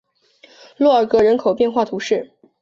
洛尔格人口变化图示